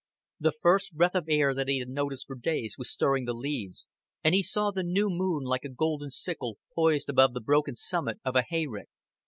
The first breath of air that he had noticed for days was stirring the leaves, and he saw the new moon like a golden sickle poised above the broken summit of a hayrick.